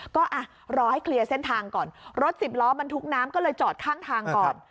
ก็อ่ะรอให้เคลียร์เส้นทางก่อนรถสิบล้อบรรทุกน้ำก็เลยจอดข้างทางก่อน